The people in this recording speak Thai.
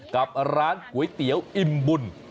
กับร้านก๋วยเตี๋ยวอิ่มบุญ